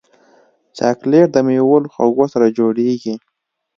چاکلېټ د میوو له خوږو سره جوړېږي.